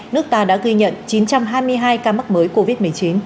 nước ta đã ghi nhận chín trăm hai mươi hai ca mắc mới covid một mươi chín